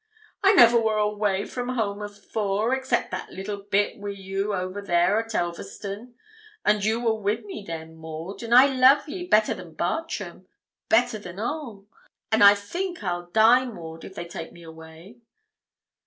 'I never wor away from home afore, except that little bit wi' you over there at Elverston; and you wor wi' me then, Maud; an' I love ye better than Bartram better than a'; an' I think I'll die, Maud, if they take me away.'